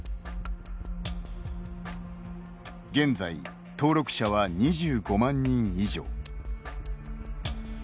現在、登録者は２５万人以上。